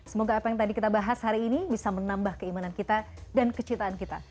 semoga apa yang tadi kita bahas hari ini bisa menambah keimanan kita dan kecintaan kita